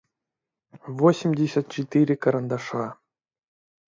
восемьдесят четыре карандаша